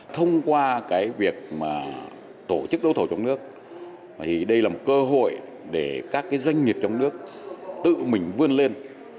thông qua việc tổ chức đấu thổ trong nước đây là một cơ hội để các doanh nghiệp trong nước tự mình vươn lên